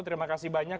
terima kasih banyak